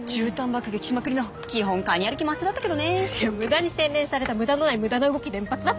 いや無駄に洗練された無駄のない無駄な動き連発だったよ。